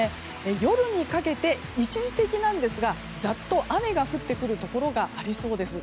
夜にかけて一時的なんですがざっと雨が降ってくるところがありそうです。